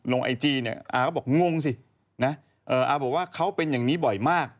ไอจีเนี่ยอาก็บอกงงสินะอาบอกว่าเขาเป็นอย่างนี้บ่อยมาก